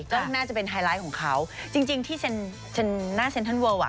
ก็น่าจะเป็นไฮไลท์ของเขาจริงจริงที่เซ็นหน้าเซ็นทรัลเวิลอ่ะ